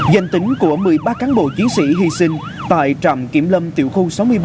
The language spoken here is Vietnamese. danh tính của một mươi ba cán bộ chiến sĩ hy sinh tại trạm kiểm lâm tiểu khu sáu mươi bảy